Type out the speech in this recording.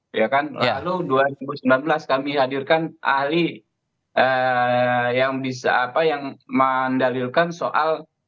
ya kan lalu dua ribu sembilan belas kami hadirkan ahli yang bisa yang mendalilkan soal